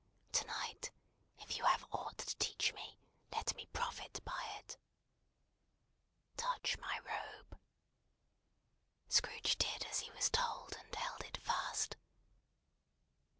To night, if you have aught to teach me, let me profit by it." "Touch my robe!" Scrooge did as he was told, and held it fast.